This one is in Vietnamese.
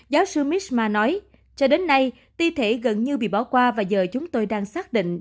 giáo sư misma nói cho đến nay thi thể gần như bị bỏ qua và giờ chúng tôi đang xác định